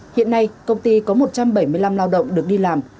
hiện nay công ty có một trăm bảy mươi năm lao động được đi làm